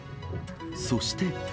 そして。